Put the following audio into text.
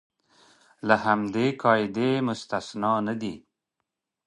له همدې قاعدې مستثنی نه دي.